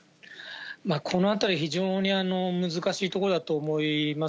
このあたり、非常に難しいところだと思います。